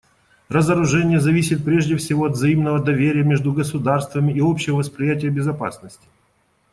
Разоружение зависит прежде всего от взаимного доверия между государствами и общего восприятия безопасности.